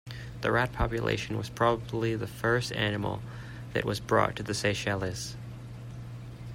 The rat population was probably the first animal that was brought to the Seychelles.